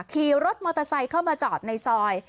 ขี่รถมอเตอร์ไซค์เข้ามาจอดในซอย